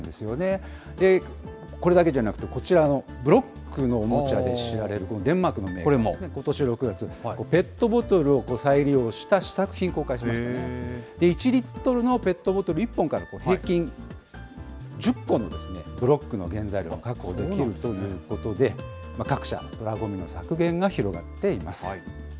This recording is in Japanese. これだけじゃなくて、こちらのブロックのおもちゃで知られるデンマークのメーカーも、ことし６月、ペットボトルを再利用した試作品を公開しまして、１リットルのペットボトル１本から平均１０個のブロックの原材料が確保できるということで、各社、プラごみの削減が広がっています。